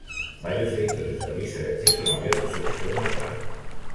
Varios editores de revistas de acceso no abierto se opusieron al plan.